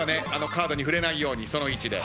カードに触れないようにその位置で。